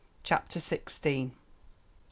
CHAPTER SIXTEENTH.